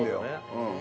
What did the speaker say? うん。